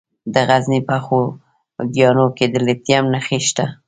د غزني په خوږیاڼو کې د لیتیم نښې شته.